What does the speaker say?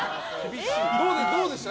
どうでした？